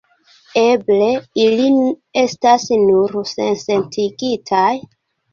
Eble ili estas nur sensentigitaj?